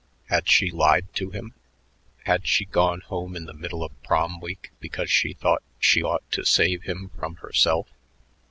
Had she lied to him? Had she gone home in the middle of Prom, week because she thought she ought to save him from herself?